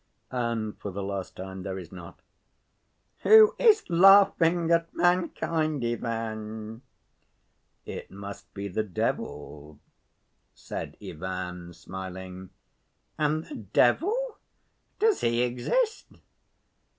"And for the last time there is not." "Who is laughing at mankind, Ivan?" "It must be the devil," said Ivan, smiling. "And the devil? Does he exist?"